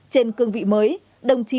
trên cương vị mới đồng chí